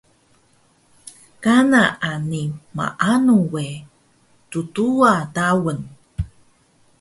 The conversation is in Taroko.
Kana ani maanu we tduwa daun